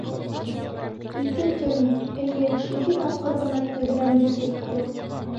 Ике төн, эйе, ике тапҡыр ғына тәҙрәмде сиртте.